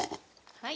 はい。